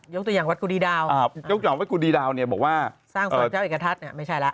ยกตัวอย่างวัดกุฎีดาวอ่ายกตัวอย่างวัดกุฎีดาวเนี้ยบอกว่าสร้างสมัครเจ้าเอกทัศน์เนี้ยไม่ใช่ล่ะ